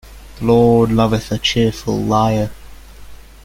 The Lord loveth a cheerful liar.